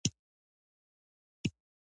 ښه شوه، څو خنډونه مو بند کړل.